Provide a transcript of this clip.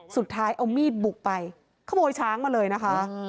สุดท้ายเอามีดบุกไปขโมยช้างมาเลยนะคะ